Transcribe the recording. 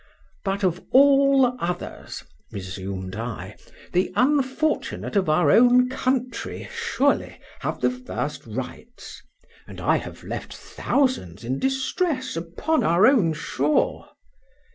—But of all others, resumed I, the unfortunate of our own country, surely, have the first rights; and I have left thousands in distress upon our own shore.